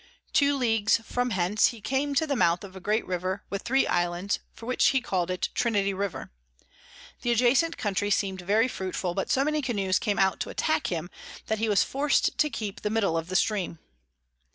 Two Leagues from hence he came to the mouth of a great River with three Islands, for which he call'd it Trinity River. The adjacent Country seem'd very fruitful, but so many Canoes came out to attack him, that he was forc'd to keep the middle of the Stream.